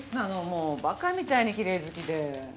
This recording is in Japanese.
もう馬鹿みたいにきれい好きで。